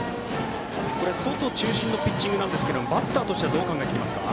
外中心のピッチングですがバッターとしてはどう考えますか。